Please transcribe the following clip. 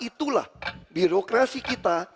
itulah birokrasi kita